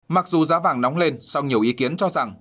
mặc dù giá vàng nóng lên sau nhiều ý kiến cho rằng